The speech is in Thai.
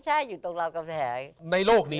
ใช่อยู่ตรงรอบกำแขก